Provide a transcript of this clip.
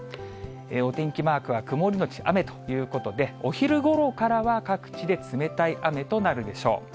お天気マークは曇り後雨ということで、お昼ごろからは各地で冷たい雨となるでしょう。